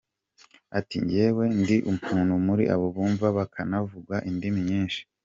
Ati “Jyewe ndi umuntu muri abo bumva bakanavuga indimi nyinshi.